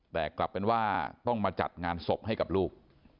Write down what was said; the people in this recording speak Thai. แต่กลับเป็นว่าต้องมาจัดงานศพให้กับลูก